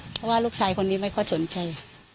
เพราะว่าลูกชายคนนี้ไม่ค่อยสนใจ